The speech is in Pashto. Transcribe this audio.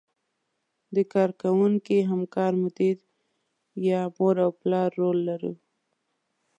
د کار کوونکي، همکار، مدیر یا مور او پلار رول لرو.